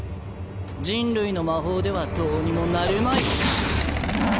人類の魔法ではどうにもなるまい。